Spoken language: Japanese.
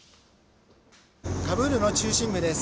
カブールの中心部です。